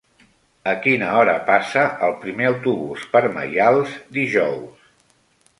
A quina hora passa el primer autobús per Maials dijous?